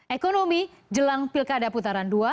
ekonomi jelang pilkada putaran dua